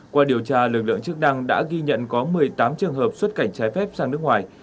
qua điều tra lực lượng chức năng đã ghi nhận có một mươi tám trường hợp xuất cảnh trái phép sang nước ngoài